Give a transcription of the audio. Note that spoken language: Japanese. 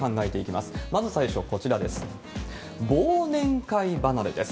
まず最初、こちらです。